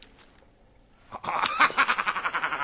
アハハハハ！